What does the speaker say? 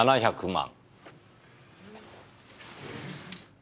８００万。